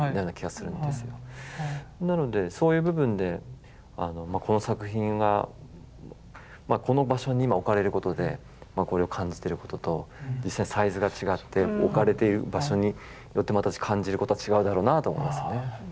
なのでそういう部分でこの作品がこの場所に今置かれることでこれを感じてることと実際サイズが違って置かれている場所によってまた感じることは違うだろうなと思いますね。